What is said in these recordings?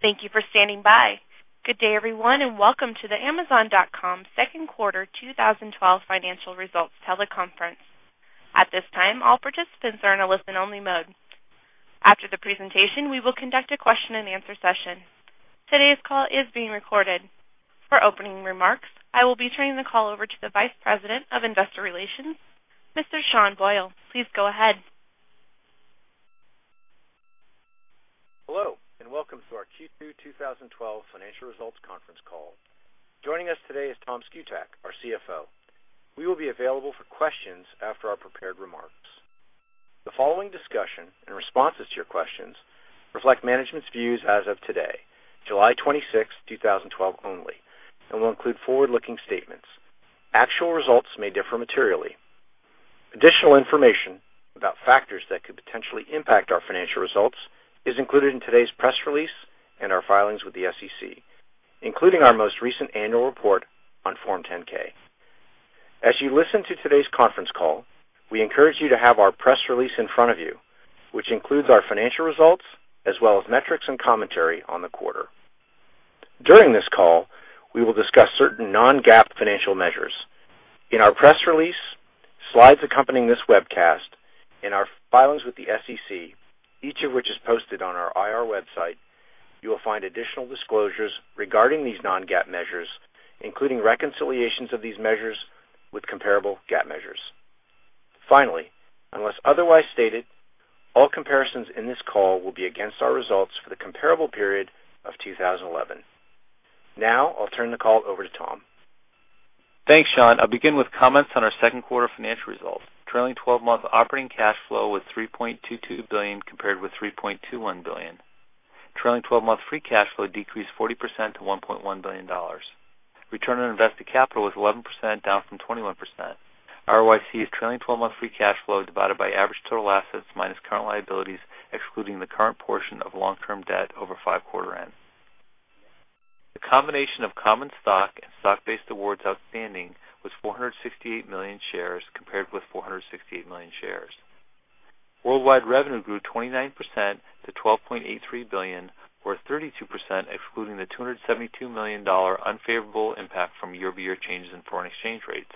Thank you for standing by. Good day, everyone, and welcome to the Amazon.com second quarter 2012 financial results teleconference. At this time, all participants are in a listen-only mode. After the presentation, we will conduct a question and answer session. Today's call is being recorded. For opening remarks, I will be turning the call over to the Vice President of Investor Relations, Mr. Sean Boyle. Please go ahead. Hello, welcome to our Q2 2012 financial results conference call. Joining us today is Tom Szkutak, our CFO. We will be available for questions after our prepared remarks. The following discussion and responses to your questions reflect management's views as of today, July 26, 2012, only, and will include forward-looking statements. Actual results may differ materially. Additional information about factors that could potentially impact our financial results is included in today's press release and our filings with the SEC, including our most recent annual report on Form 10-K. As you listen to today's conference call, we encourage you to have our press release in front of you, which includes our financial results as well as metrics and commentary on the quarter. During this call, we will discuss certain non-GAAP financial measures. In our press release, slides accompanying this webcast, our filings with the SEC, each of which is posted on our IR website, you will find additional disclosures regarding these non-GAAP measures, including reconciliations of these measures with comparable GAAP measures. Unless otherwise stated, all comparisons in this call will be against our results for the comparable period of 2011. I'll turn the call over to Tom. Thanks, Sean. I'll begin with comments on our second quarter financial results. Trailing 12-month operating cash flow was $3.22 billion, compared with $3.21 billion. Trailing 12-month free cash flow decreased 40% to $1.1 billion. Return on Invested Capital was 11%, down from 21%. ROIC is trailing 12-month free cash flow divided by average total assets minus current liabilities, excluding the current portion of long-term debt over five quarter end. The combination of common stock and stock-based awards outstanding was 468 million shares compared with 468 million shares. Worldwide revenue grew 29% to $12.83 billion, or 32% excluding the $272 million unfavorable impact from year-over-year changes in foreign exchange rates.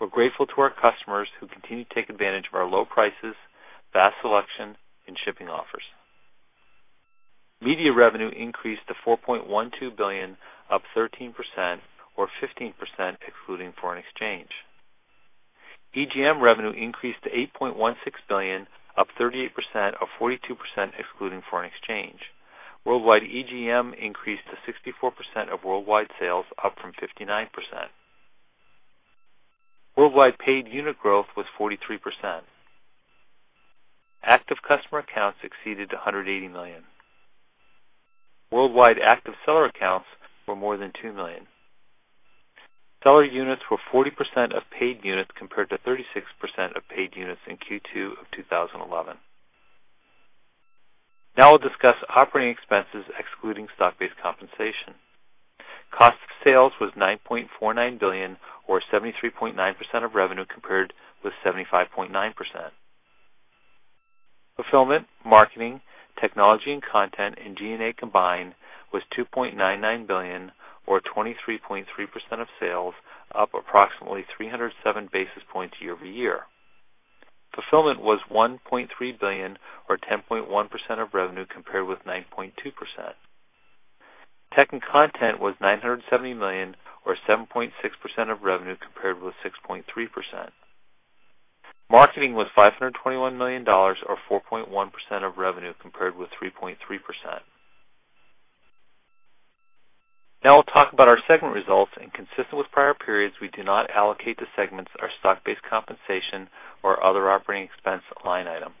We're grateful to our customers who continue to take advantage of our low prices, vast selection, and shipping offers. Media revenue increased to $4.12 billion, up 13%, or 15% excluding foreign exchange. EGM revenue increased to $8.16 billion, up 38%, or 42% excluding foreign exchange. Worldwide EGM increased to 64% of worldwide sales, up from 59%. Worldwide paid unit growth was 43%. Active customer accounts exceeded 180 million. Worldwide active seller accounts were more than two million. Seller units were 40% of paid units, compared to 36% of paid units in Q2 of 2011. Now I'll discuss operating expenses excluding stock-based compensation. Cost of sales was $9.49 billion, or 73.9% of revenue, compared with 75.9%. Fulfillment, marketing, technology and content, and G&A combined was $2.99 billion, or 23.3% of sales, up approximately 307 basis points year-over-year. Fulfillment was $1.3 billion, or 10.1% of revenue, compared with 9.2%. Tech and content was $970 million, or 7.6% of revenue, compared with 6.3%. Marketing was $521 million, or 4.1% of revenue, compared with 3.3%. Now I'll talk about our segment results, consistent with prior periods, we do not allocate to segments our stock-based compensation or other operating expense line item.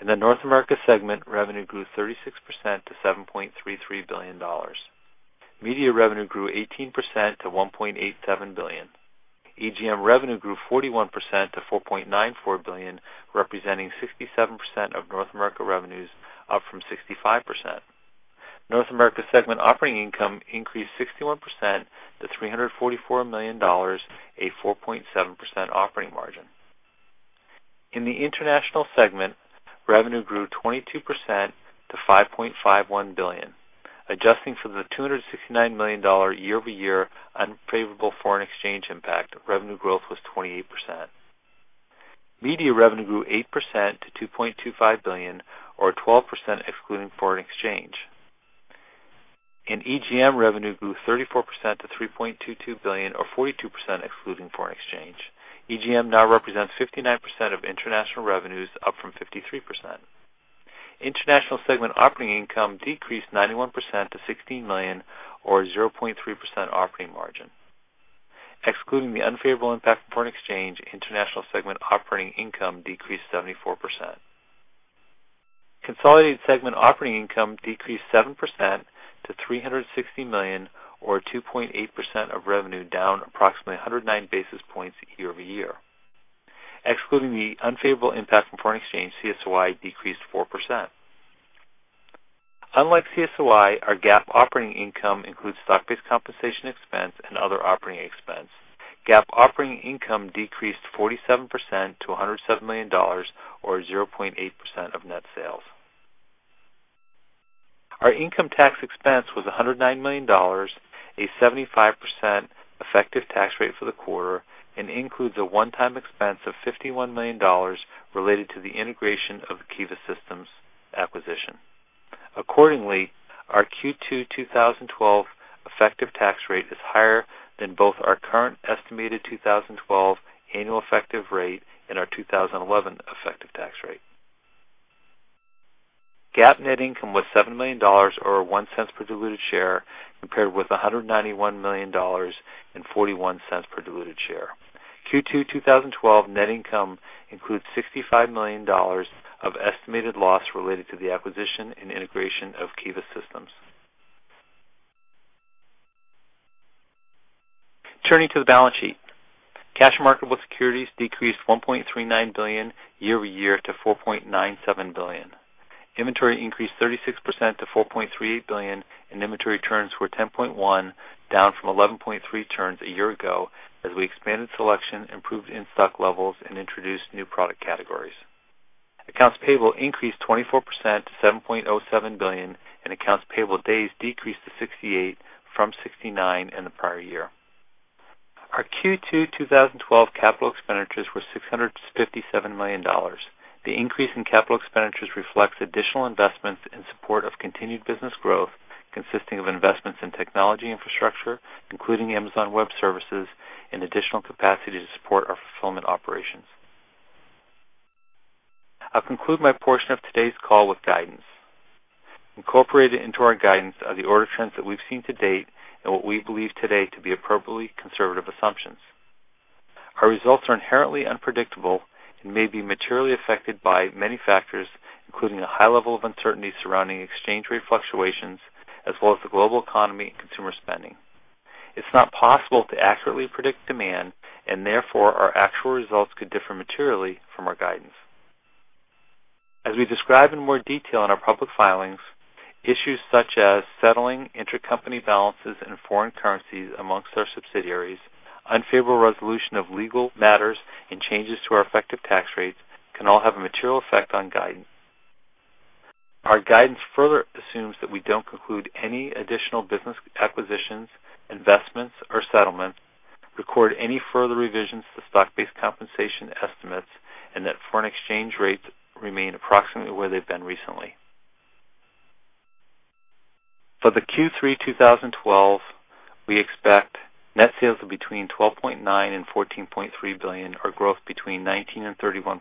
In the North America segment, revenue grew 36% to $7.33 billion. Media revenue grew 18% to $1.87 billion. EGM revenue grew 41% to $4.94 billion, representing 67% of North America revenues, up from 65%. North America segment operating income increased 61% to $344 million, a 4.7% operating margin. In the International segment, revenue grew 22% to $5.51 billion. Adjusting for the $269 million year-over-year unfavorable foreign exchange impact, revenue growth was 28%. Media revenue grew 8% to $2.25 billion, or 12% excluding foreign exchange. EGM revenue grew 34% to $3.22 billion, or 42% excluding foreign exchange. EGM now represents 59% of international revenues, up from 53%. International segment operating income decreased 91% to $16 million, or 0.3% operating margin. Excluding the unfavorable impact from foreign exchange, International segment operating income decreased 74%. Consolidated segment operating income decreased 7% to $360 million, or 2.8% of revenue, down approximately 109 basis points year-over-year. Excluding the unfavorable impact from foreign exchange, CSOI decreased 4%. Unlike CSOI, our GAAP operating income includes stock-based compensation expense and other operating expense. GAAP operating income decreased 47% to $107 million, or 0.8% of net sales. Our income tax expense was $109 million, a 75% effective tax rate for the quarter, and includes a one-time expense of $51 million related to the integration of the Kiva Systems acquisition. Accordingly, our Q2 2012 effective tax rate is higher than both our current estimated 2012 annual effective rate and our 2011 effective tax rate. GAAP net income was $7 million, or $0.01 per diluted share, compared with $191 million and $0.41 per diluted share. Q2 2012 net income includes $65 million of estimated loss related to the acquisition and integration of Kiva Systems. Turning to the balance sheet. Cash marketable securities decreased $1.39 billion year-over-year to $4.97 billion. Inventory increased 36% to $4.38 billion, and inventory turns were 10.1, down from 11.3 turns a year ago, as we expanded selection, improved in-stock levels, and introduced new product categories. Accounts payable increased 24% to $7.07 billion, and accounts payable days decreased to 68 from 69 in the prior year. Our Q2 2012 capital expenditures were $657 million. The increase in capital expenditures reflects additional investments in support of continued business growth, consisting of investments in technology infrastructure, including Amazon Web Services, and additional capacity to support our fulfillment operations. I'll conclude my portion of today's call with guidance. Incorporated into our guidance are the order trends that we've seen to date and what we believe today to be appropriately conservative assumptions. Our results are inherently unpredictable and may be materially affected by many factors, including a high level of uncertainty surrounding exchange rate fluctuations, as well as the global economy and consumer spending. It's not possible to accurately predict demand, therefore, our actual results could differ materially from our guidance. As we describe in more detail in our public filings, issues such as settling intercompany balances in foreign currencies amongst our subsidiaries, unfavorable resolution of legal matters, and changes to our effective tax rates can all have a material effect on guidance. Our guidance further assumes that we don't conclude any additional business acquisitions, investments, or settlements, record any further revisions to stock-based compensation estimates, and that foreign exchange rates remain approximately where they've been recently. For the Q3 2012, we expect net sales of between $12.9 billion and $14.3 billion or growth between 19% and 31%.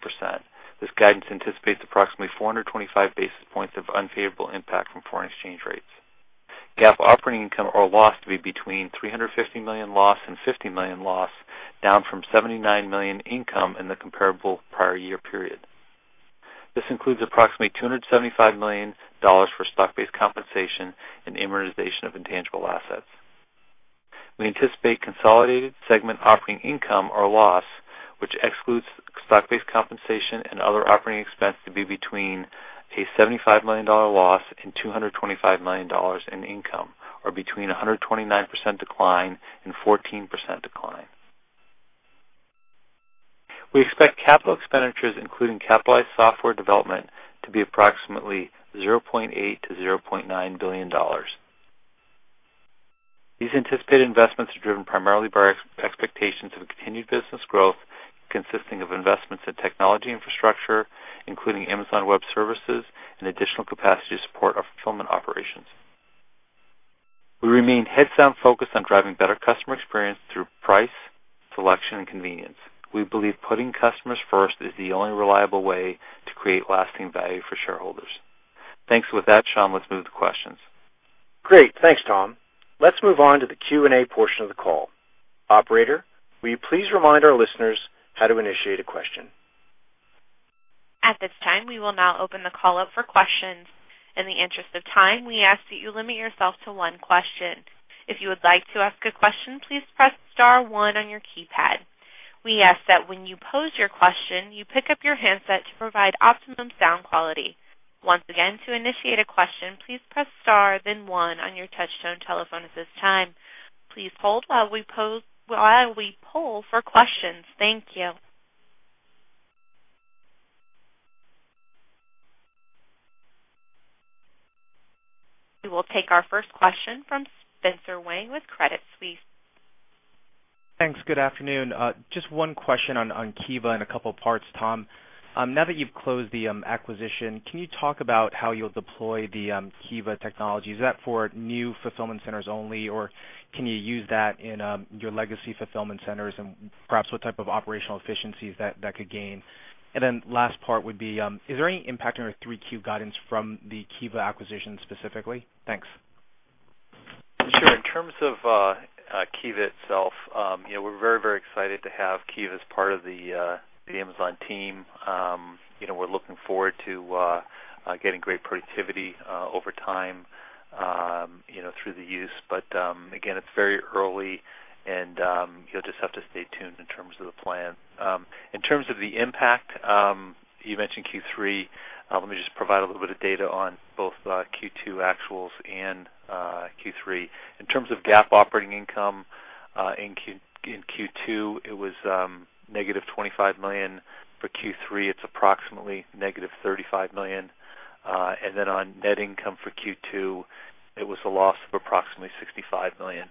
This guidance anticipates approximately 425 basis points of unfavorable impact from foreign exchange rates. GAAP operating income or loss to be between $350 million loss and $50 million loss, down from $79 million income in the comparable prior year period. This includes approximately $275 million for stock-based compensation and amortization of intangible assets. We anticipate consolidated segment operating income or loss, which excludes stock-based compensation and other operating expense, to be between a $75 million loss and $225 million in income, or between 129% decline and 14% decline. We expect capital expenditures, including capitalized software development, to be approximately $0.8 billion-$0.9 billion. These anticipated investments are driven primarily by our expectations of continued business growth, consisting of investments in technology infrastructure, including Amazon Web Services, and additional capacity to support our fulfillment operations. We remain head-down focused on driving better customer experience through price, selection, and convenience. We believe putting customers first is the only reliable way to create lasting value for shareholders. Thanks. With that, Sean, let's move to questions. Great. Thanks, Tom. Let's move on to the Q&A portion of the call. Operator, will you please remind our listeners how to initiate a question? At this time, we will now open the call up for questions. In the interest of time, we ask that you limit yourself to one question. If you would like to ask a question, please press star 1 on your keypad. We ask that when you pose your question, you pick up your handset to provide optimum sound quality. Once again, to initiate a question, please press star then one on your touchtone telephone at this time. Please hold while we poll for questions. Thank you. We will take our first question from Spencer Wang with Credit Suisse. Thanks. Good afternoon. Just one question on Kiva in a couple of parts, Tom. Now that you've closed the acquisition, can you talk about how you'll deploy the Kiva technology? Is that for new fulfillment centers only, or can you use that in your legacy fulfillment centers, and perhaps what type of operational efficiencies that could gain? Last part would be, is there any impact on our 3Q guidance from the Kiva acquisition specifically? Thanks. In terms of Kiva itself, we're very excited to have Kiva as part of the Amazon team. We're looking forward to getting great productivity over time through the use. Again, it's very early, and you'll just have to stay tuned in terms of the plan. In terms of the impact, you mentioned Q3. Let me just provide a little bit of data on both Q2 actuals and Q3. In terms of GAAP operating income, in Q2, it was -$25 million. For Q3, it's approximately -$35 million. On net income for Q2, it was a loss of approximately $65 million.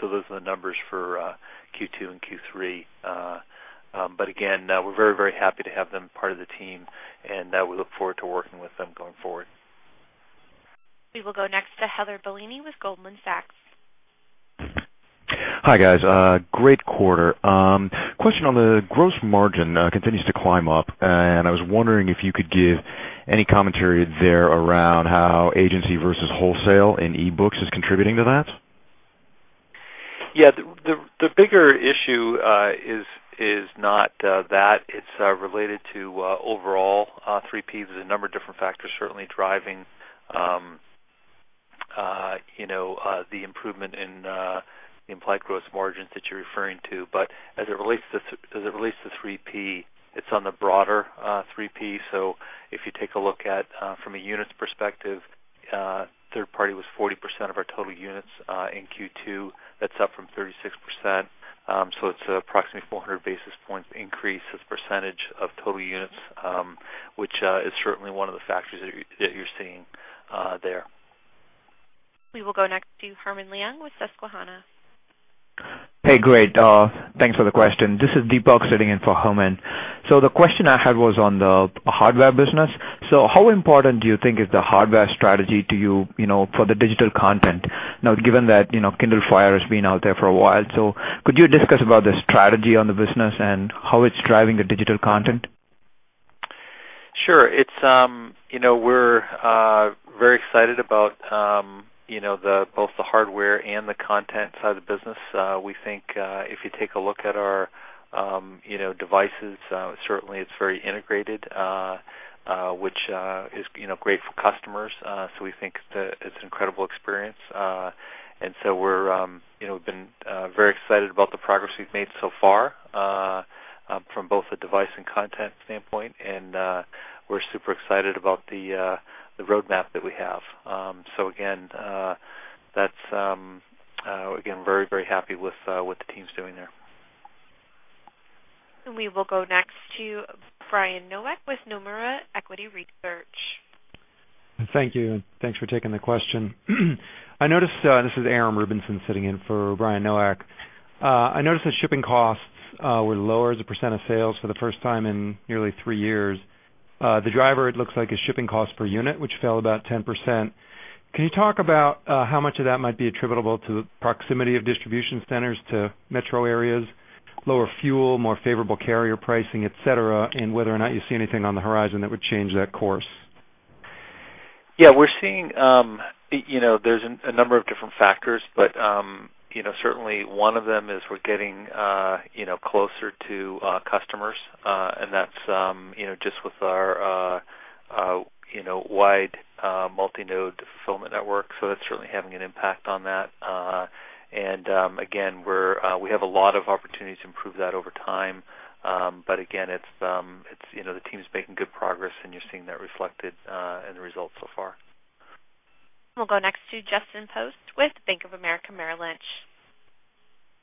Those are the numbers for Q2 and Q3. Again, we're very happy to have them part of the team, and we look forward to working with them going forward. We will go next to Heather Bellini with Goldman Sachs. Hi, guys. Great quarter. Question on the gross margin continues to climb up. I was wondering if you could give any commentary there around how agency versus wholesale in e-books is contributing to that. Yeah. The bigger issue is not that, it's related to overall 3P. There's a number of different factors certainly driving the improvement in the implied gross margins that you're referring to. As it relates to 3P, it's on the broader 3P. If you take a look at, from a units perspective, third party was 40% of our total units in Q2. That's up from 36%. It's approximately 400 basis points increase as percentage of total units, which is certainly one of the factors that you're seeing there. We will go next to Herman Leung with Susquehanna. Hey, great. Thanks for the question. This is Deepak sitting in for Herman. The question I had was on the hardware business. How important do you think is the hardware strategy to you for the digital content now, given that Kindle Fire has been out there for a while? Could you discuss about the strategy on the business and how it's driving the digital content? Sure. We're very excited about both the hardware and the content side of the business. We think if you take a look at our devices, certainly it's very integrated, which is great for customers. We think it's an incredible experience. We've been very excited about the progress we've made so far from both the device and content standpoint, and we're super excited about the roadmap that we have. Again, very happy with what the team's doing there. We will go next to Brian Nowak with Nomura Equity Research. Thank you, and thanks for taking the question. This is Aram Rubinson sitting in for Brian Nowak. I noticed that shipping costs were lower as a percent of sales for the first time in nearly three years. The driver, it looks like, is shipping cost per unit, which fell about 10%. Can you talk about how much of that might be attributable to the proximity of distribution centers to metro areas, lower fuel, more favorable carrier pricing, et cetera, and whether or not you see anything on the horizon that would change that course? Yeah. There's a number of different factors, but certainly one of them is we're getting closer to customers, and that's just with our wide multi-node fulfillment network. That's certainly having an impact on that. Again, we have a lot of opportunities to improve that over time. Again, the team's making good progress, and you're seeing that reflected in the results so far. We'll go next to Justin Post with Bank of America Merrill Lynch.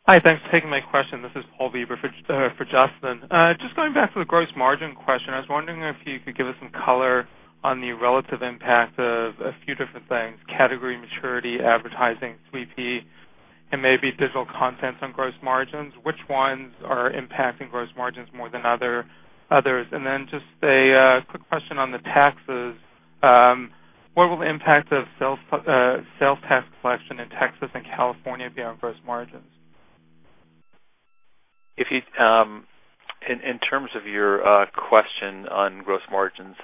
Hi. Thanks for taking my question. This is Paul Bieber for Justin. Just going back to the gross margin question, I was wondering if you could give us some color on the relative impact of a few different things, category maturity, advertising, 3P, and maybe digital content on gross margins. Which ones are impacting gross margins more than others? Just a quick question on the taxes. What will the impact of sales tax collection in Texas and California be on gross margins? In terms of your question on gross margins,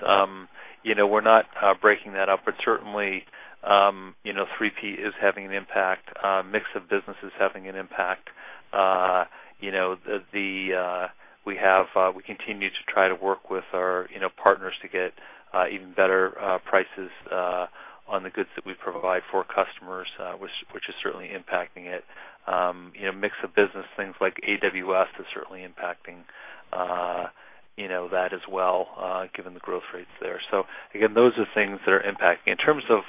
we're not breaking that up, but certainly 3P is having an impact, mix of business is having an impact. We continue to try to work with our partners to get even better prices on the goods that we provide for customers, which is certainly impacting it. Mix of business, things like AWS is certainly impacting that as well given the growth rates there. Again, those are things that are impacting. In terms of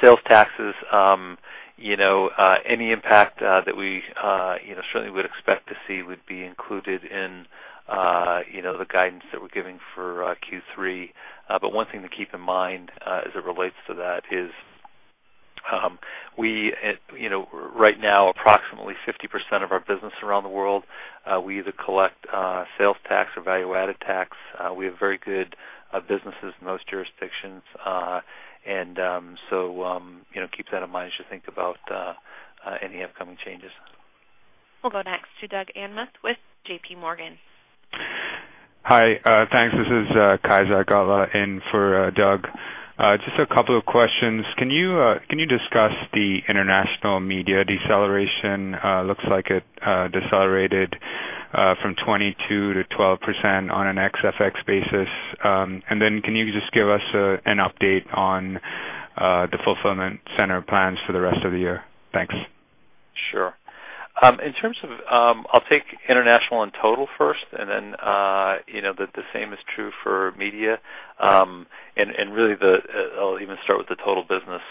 sales taxes, any impact that we certainly would expect to see would be included in the guidance that we're giving for Q3. One thing to keep in mind as it relates to that is right now approximately 50% of our business around the world, we either collect sales tax or value-added tax. We have very good businesses in most jurisdictions. Keep that in mind as you think about any upcoming changes. We'll go next to Doug Anmuth with JPMorgan. Hi. Thanks. This is kaizad Gotla in for Doug. Just a couple of questions. Can you discuss the international media deceleration? Looks like it decelerated from 22%-12% on an ex-FX basis. Can you just give us an update on the fulfillment center plans for the rest of the year? Thanks. Sure. I'll take international and total first, the same is true for media. Really, I'll even start with the total business.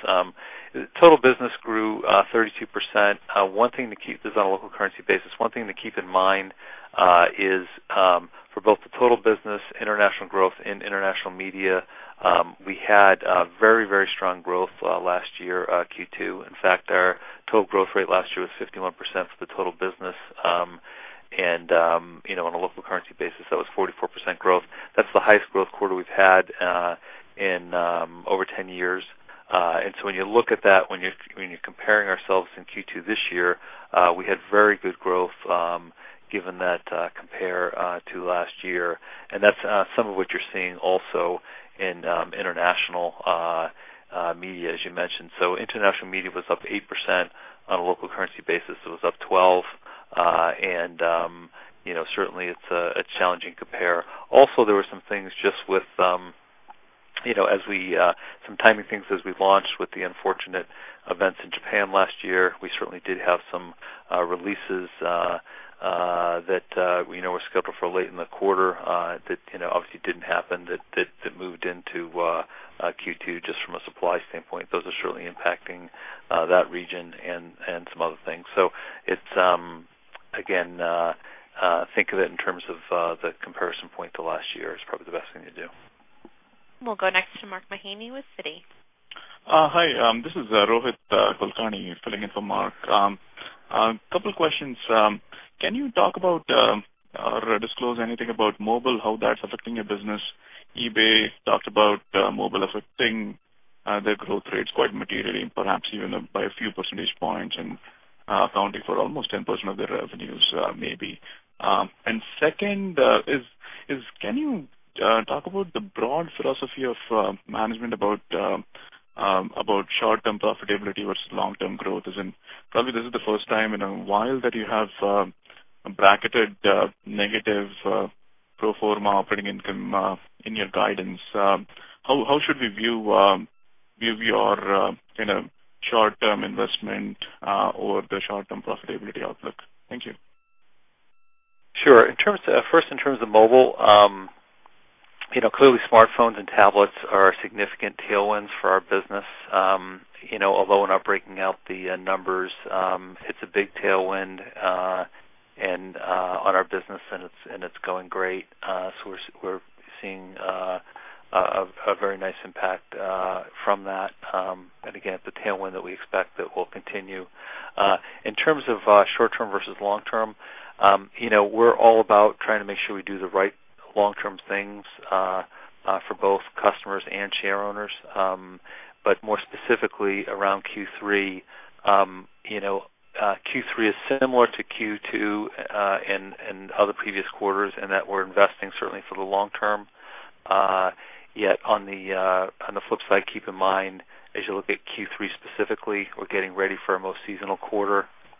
Total business grew 32%, this is on a local currency basis. One thing to keep in mind is for both the total business international growth and international media, we had very strong growth last year, Q2. In fact, our total growth rate last year was 51% for the total business. On a local currency basis, that was 44% growth. That's the highest growth quarter we've had in over 10 years. When you look at that, when you're comparing ourselves in Q2 this year, we had very good growth given that compare to last year. That's some of what you're seeing also in international media, as you mentioned. International media was up 8%. On a local currency basis, it was up 12%. Certainly it's a challenging compare. Also, there were some timing things as we launched with the unfortunate events in Japan last year. We certainly did have some releases that we know were scheduled for late in the quarter that obviously didn't happen, that moved into Q2 just from a supply standpoint. Those are certainly impacting that region and some other things. Again, think of it in terms of the comparison point to last year is probably the best thing to do. We'll go next to Mark Mahaney with Citi. Hi, this is Rohit Kulkarni filling in for Mark. Couple questions. Can you talk about or disclose anything about mobile, how that's affecting your business? eBay talked about mobile affecting their growth rates quite materially, perhaps even by a few percentage points and accounting for almost 10% of their revenues, maybe. Second is, can you talk about the broad philosophy of management about short-term profitability versus long-term growth? As in, probably this is the first time in a while that you have bracketed negative pro forma operating income in your guidance. How should we view your short-term investment or the short-term profitability outlook? Thank you. Sure. First, in terms of mobile, clearly smartphones and tablets are significant tailwinds for our business. Although we're not breaking out the numbers, it's a big tailwind on our business, and it's going great. We're seeing a very nice impact from that. Again, it's a tailwind that we expect that will continue. In terms of short-term versus long-term, we're all about trying to make sure we do the right long-term things for both customers and shareowners. More specifically around Q3. Q3 is similar to Q2 and other previous quarters in that we're investing certainly for the long term. On the flip side, keep in mind, as you look at Q3 specifically, we're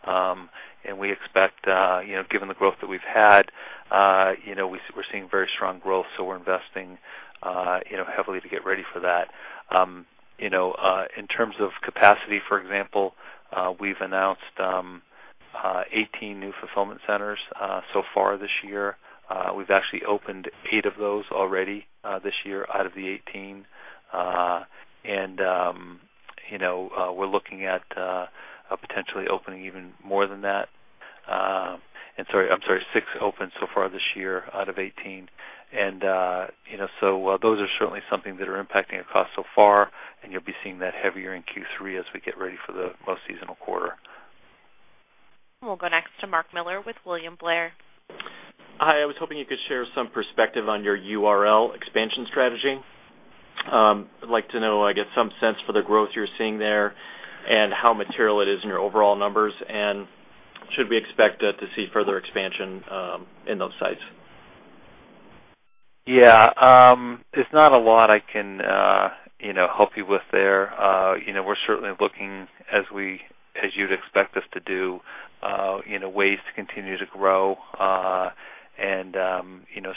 getting ready for our most seasonal quarter. We expect, given the growth that we've had, we're seeing very strong growth, so we're investing heavily to get ready for that. In terms of capacity, for example, we've announced 18 new fulfillment centers so far this year. We've actually opened eight of those already this year out of the 18. We're looking at potentially opening even more than that. I'm sorry, six open so far this year out of 18. Those are certainly something that are impacting our cost so far, and you'll be seeing that heavier in Q3 as we get ready for the most seasonal quarter. We'll go next to Mark Miller with William Blair. Hi. I was hoping you could share some perspective on your URL expansion strategy. I'd like to know, I get some sense for the growth you're seeing there and how material it is in your overall numbers. Should we expect to see further expansion in those sites? Yeah. It's not a lot I can help you with there. We're certainly looking as you'd expect us to do, ways to continue to grow.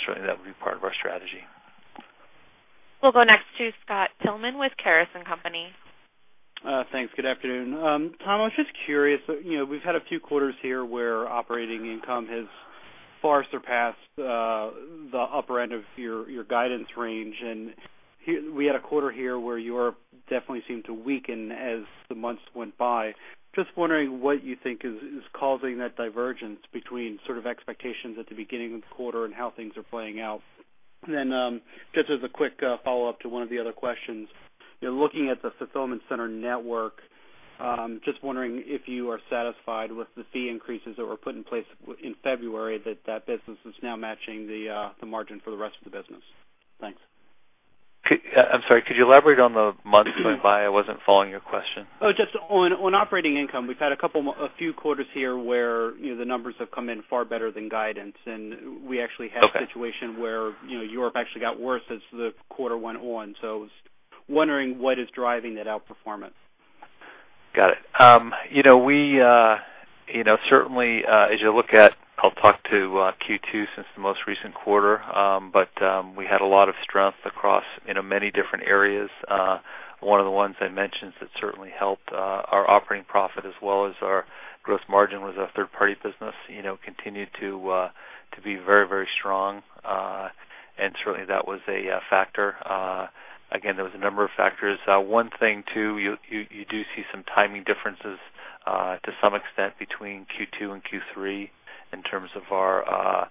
Certainly that would be part of our strategy. We'll go next to Scott Tilghman with Caris & Company. Thanks. Good afternoon. Tom, I was just curious. We've had a few quarters here where operating income has far surpassed the upper end of your guidance range, and we had a quarter here where you definitely seemed to weaken as the months went by. Just wondering what you think is causing that divergence between sort of expectations at the beginning of the quarter and how things are playing out. Just as a quick follow-up to one of the other questions, looking at the fulfillment center network, just wondering if you are satisfied with the fee increases that were put in place in February, that business is now matching the margin for the rest of the business. Thanks. I'm sorry, could you elaborate on the months going by? I wasn't following your question. Oh, just on operating income. We've had a few quarters here where the numbers have come in far better than guidance. We actually had. Okay We had a situation where Europe actually got worse as the quarter went on. I was wondering what is driving that outperformance. Got it. Certainly, as you look at, I'll talk to Q2 since the most recent quarter. We had a lot of strength across many different areas. One of the ones I mentioned that certainly helped our operating profit as well as our gross margin was our third-party business, continued to be very strong. Certainly that was a factor. Again, there was a number of factors. One thing, too, you do see some timing differences to some extent between Q2 and Q3 in terms of our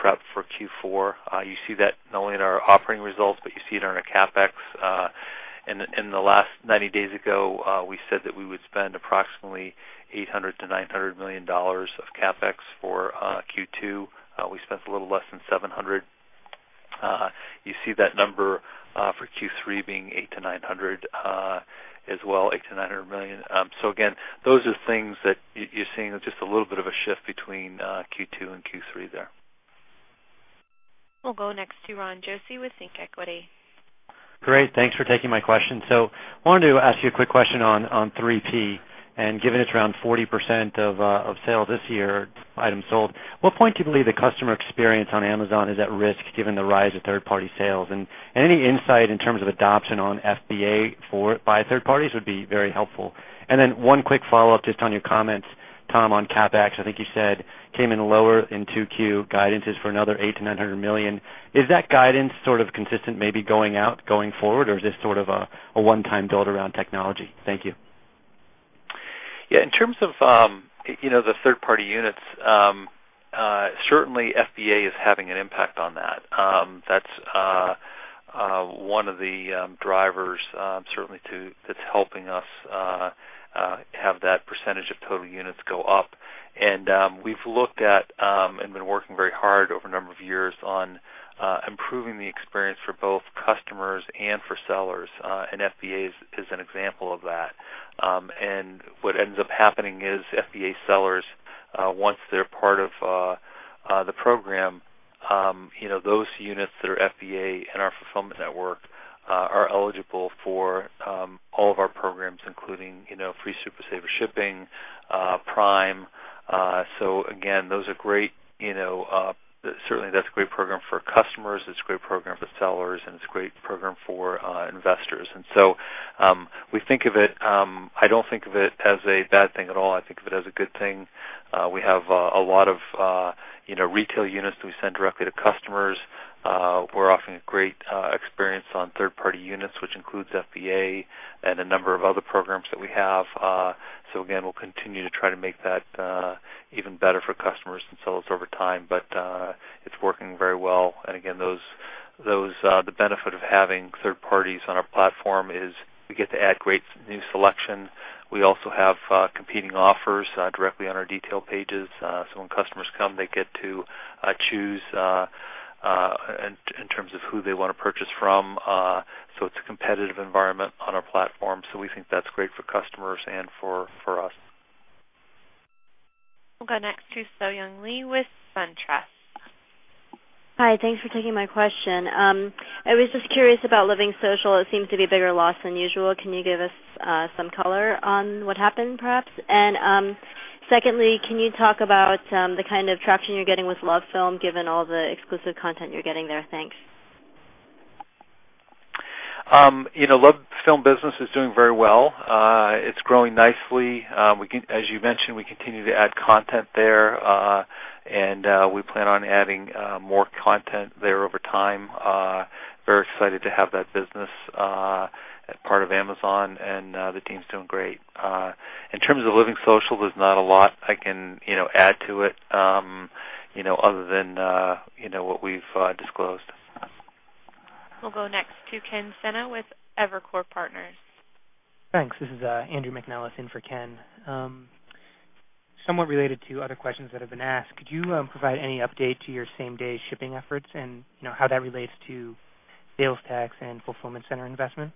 prep for Q4. You see that not only in our operating results, but you see it in our CapEx. In the last 90 days ago, we said that we would spend approximately $800 million-$900 million of CapEx for Q2. We spent a little less than $700 million. You see that number for Q3 being $800 million-$900 million as well. Again, those are things that you're seeing just a little bit of a shift between Q2 and Q3 there. We'll go next to Ron Josey with ThinkEquity. Great. Thanks for taking my question. Wanted to ask you a quick question on 3P. Given it's around 40% of sales this year, items sold, what point do you believe the customer experience on Amazon is at risk given the rise of third-party sales? Any insight in terms of adoption on FBA by third parties would be very helpful. One quick follow-up just on your comments, Tom, on CapEx. I think you said came in lower in 2Q. Guidance is for another $800 million-$900 million. Is that guidance sort of consistent maybe going out, going forward, or is this sort of a one-time build around technology? Thank you. Yeah, in terms of the third-party units, certainly FBA is having an impact on that. That's one of the drivers certainly too, that's helping us have that % of total units go up. We've looked at and been working very hard over a number of years on improving the experience for both customers and for sellers, and FBA is an example of that. What ends up happening is FBA sellers, once they're part of the program, those units that are FBA in our fulfillment network are eligible for all of our programs, including free Super Saver Shipping, Prime. Again, certainly that's a great program for customers, it's a great program for sellers, and it's a great program for investors. I don't think of it as a bad thing at all. I think of it as a good thing. We have a lot of retail units that we send directly to customers. We're offering a great experience on third-party units, which includes FBA and a number of other programs that we have. Again, we'll continue to try to make that even better for customers and sellers over time. It's working very well. Again, the benefit of having third parties on our platform is we get to add great new selection. We also have competing offers directly on our detail pages. When customers come, they get to choose in terms of who they want to purchase from. It's a competitive environment on our platform. We think that's great for customers and for us. We'll go next to Soyoung Lee with SunTrust. Hi. Thanks for taking my question. I was just curious about LivingSocial. It seems to be a bigger loss than usual. Can you give us some color on what happened, perhaps? Secondly, can you talk about the kind of traction you're getting with LoveFilm given all the exclusive content you're getting there? Thanks. LoveFilm business is doing very well. It's growing nicely. As you mentioned, we continue to add content there. We plan on adding more content there over time. Very excited to have that business as part of Amazon, and the team's doing great. In terms of LivingSocial, there's not a lot I can add to it, other than what we've disclosed. We'll go next to Ken Sena with Evercore Partners. Thanks. This is Andrew McNellis in for Ken. Somewhat related to other questions that have been asked, could you provide any update to your same-day shipping efforts and how that relates to sales tax and fulfillment center investment?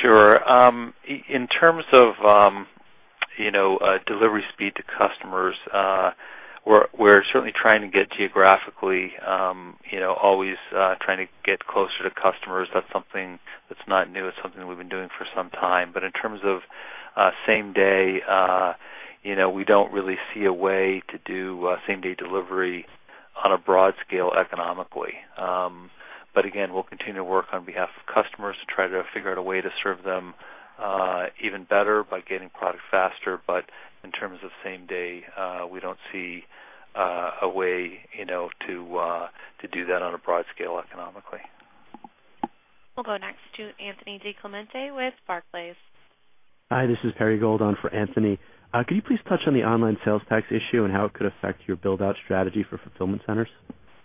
Sure. In terms of delivery speed to customers, we're certainly trying to get geographically, always trying to get closer to customers. That's something that's not new. It's something that we've been doing for some time. In terms of same-day, we don't really see a way to do same-day delivery on a broad scale economically. Again, we'll continue to work on behalf of customers to try to figure out a way to serve them even better by getting product faster. In terms of same-day, we don't see a way to do that on a broad scale economically. We'll go next to Anthony DiClemente with Barclays. Hi. This is Perry Gold on for Anthony. Could you please touch on the online sales tax issue and how it could affect your build-out strategy for fulfillment centers?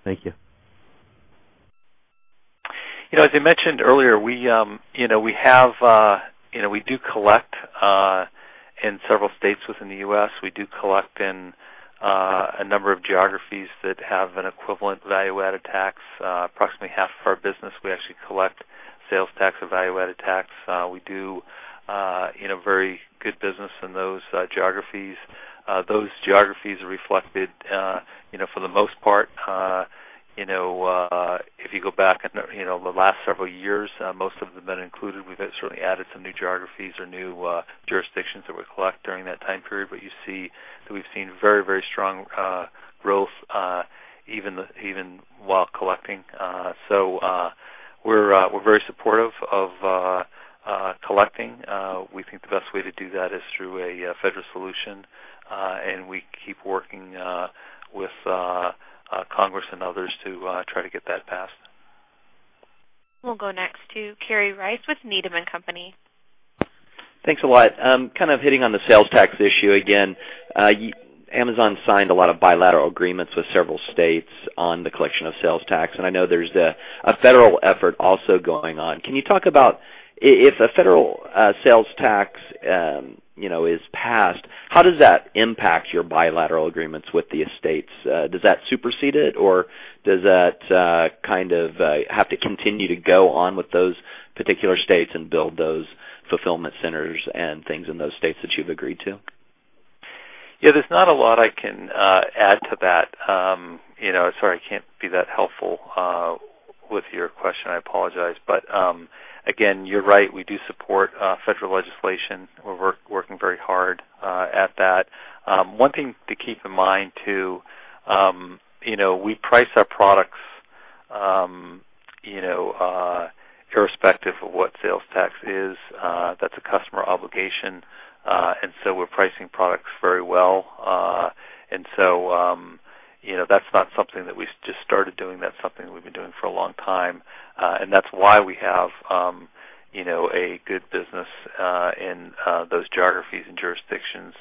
Thank you. As I mentioned earlier, we do collect in several states within the U.S. We do collect in a number of geographies that have an equivalent value-added tax. Approximately half of our business, we actually collect sales tax or value-added tax. We do very good business in those geographies. Those geographies are reflected for the most part. If you go back the last several years, most of them have been included. We've certainly added some new geographies or new jurisdictions that we collect during that time period. You see that we've seen very strong growth even while collecting. We're very supportive of collecting. We think the best way to do that is through a federal solution, we keep working with Congress and others to try to get that passed. We'll go next to Kerry Rice with Needham & Company. Thanks a lot. Kind of hitting on the sales tax issue again. Amazon signed a lot of bilateral agreements with several states on the collection of sales tax, I know there's a federal effort also going on. Can you talk about if a federal sales tax is passed, how does that impact your bilateral agreements with the states? Does that supersede it, or does that have to continue to go on with those particular states and build those fulfillment centers and things in those states that you've agreed to? Yeah, there's not a lot I can add to that. Sorry, I can't be that helpful with your question. I apologize. Again, you're right, we do support federal legislation. We're working very hard at that. One thing to keep in mind, too, we price our products irrespective of what sales tax is. That's a customer obligation. So we're pricing products very well. So that's not something that we just started doing. That's something we've been doing for a long time. That's why we have a good business in those geographies and jurisdictions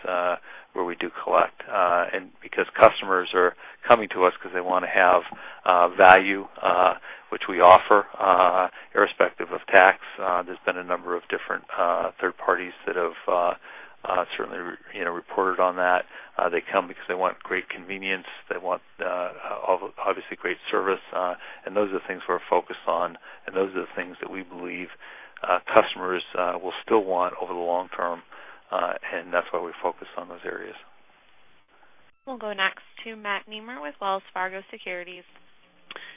where we do collect. Because customers are coming to us because they want to have value, which we offer irrespective of tax. There's been a number of different third parties that have certainly reported on that. They come because they want great convenience. They want, obviously, great service. Those are the things we're focused on, and those are the things that we believe customers will still want over the long term. That's why we focus on those areas. We'll go next to Matt Nemer with Wells Fargo Securities.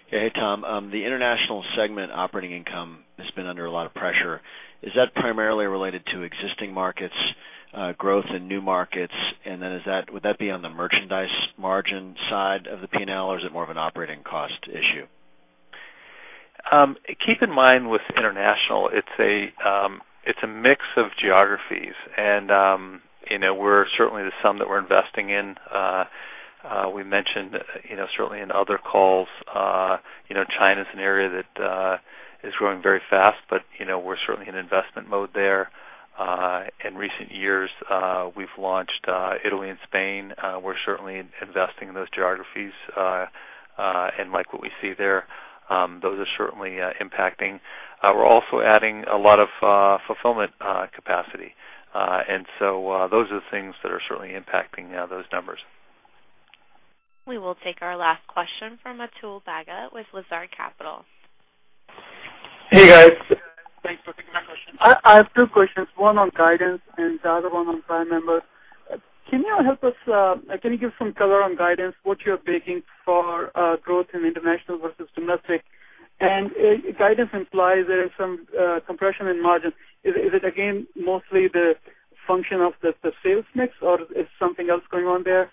Hey, Tom. The international segment operating income has been under a lot of pressure. Is that primarily related to existing markets, growth in new markets? Would that be on the merchandise margin side of the P&L, or is it more of an operating cost issue? Keep in mind with international, it's a mix of geographies, and there's some that we're investing in. We mentioned certainly in other calls, China's an area that is growing very fast, but we're certainly in investment mode there. In recent years, we've launched Italy and Spain. We're certainly investing in those geographies and like what we see there. Those are certainly impacting. We're also adding a lot of fulfillment capacity. Those are the things that are certainly impacting those numbers. We will take our last question from Atul Bagga with Lazard Capital. Hey, guys. Thanks for taking my question. I have two questions, one on guidance and the other one on Prime member. Can you give some color on guidance, what you're baking for growth in international versus domestic? Guidance implies there is some compression in margin. Is it again, mostly the function of the sales mix, or is something else going on there?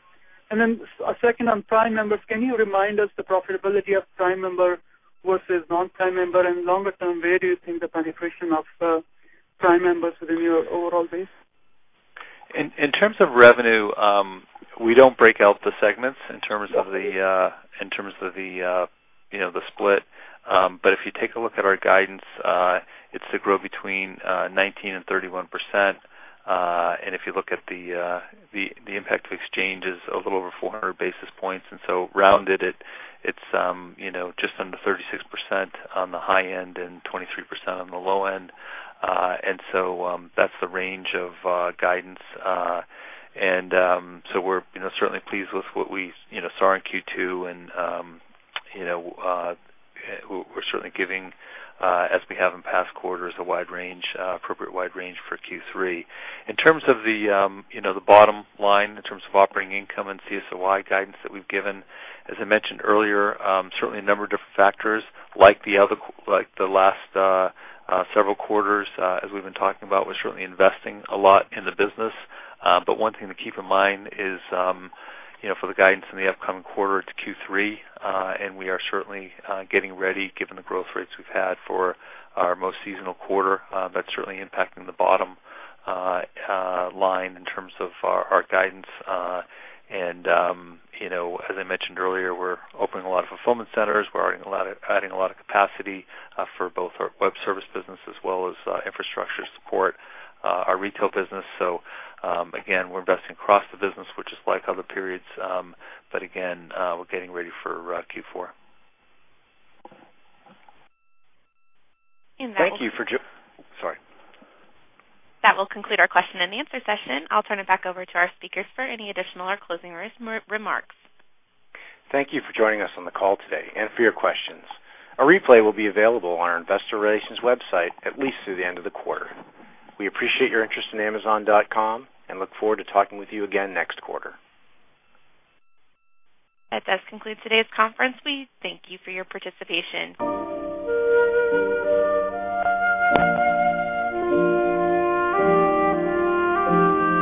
Second on Prime members, can you remind us the profitability of Prime member versus non-Prime member, and longer term, where do you think the penetration of Prime members within your overall base? In terms of revenue, we don't break out the segments in terms of the split. If you take a look at our guidance, it's to grow between 19% and 31%. If you look at the impact of exchanges, a little over 400 basis points. Rounded, it's just under 36% on the high end and 23% on the low end. That's the range of guidance. We're certainly pleased with what we saw in Q2, and we're certainly giving, as we have in past quarters, the appropriate wide range for Q3. In terms of the bottom line, in terms of operating income and CSOI guidance that we've given, as I mentioned earlier, certainly a number of different factors like the last several quarters as we've been talking about, we're certainly investing a lot in the business. One thing to keep in mind is for the guidance in the upcoming quarter to Q3, we are certainly getting ready given the growth rates we've had for our most seasonal quarter. That's certainly impacting the bottom line in terms of our guidance. As I mentioned earlier, we're opening a lot of fulfillment centers. We're adding a lot of capacity for both our web service business as well as infrastructure support our retail business. Again, we're investing across the business, which is like other periods. Again, we're getting ready for Q4. And that will- Thank you for Sorry. That will conclude our question and answer session. I'll turn it back over to our speakers for any additional or closing remarks. Thank you for joining us on the call today and for your questions. A replay will be available on our investor relations website at least through the end of the quarter. We appreciate your interest in Amazon.com and look forward to talking with you again next quarter. That does conclude today's conference. We thank you for your participation.